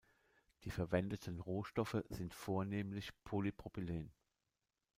Die verwendeten Rohstoffe sind vornehmlich Polypropylen.